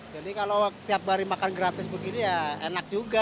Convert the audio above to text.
jadi kalau tiap hari makan gratis begini ya enak juga